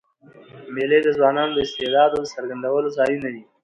مېلې د ځوانانو د استعدادو د څرګندولو ځایونه دي.